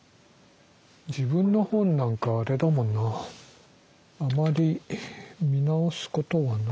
自分の本なんかあれだもんなあまり見直すことはないので。